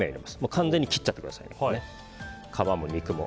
完全に切っちゃってください皮も肉も。